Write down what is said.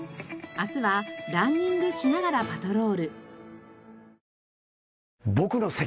明日はランニングしながらパトロール。